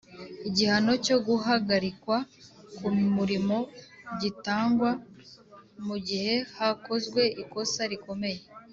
igihano cyo guhagarikwa ku murimo gitangwa mu gihe hakozwe ikosa rikomeye